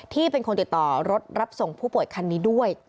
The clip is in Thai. ที่เป็นคนติดต่อรถรับส่งผู้ป่วยคันนี้ด้วย